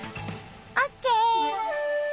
オッケー！